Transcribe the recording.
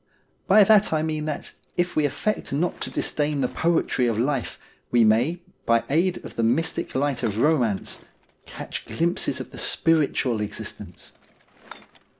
By that I mean that, if we affect not to disdain the poetry of life, we may, by aid of the mystic light of romance, catch glimpses of the spiritual exist ence.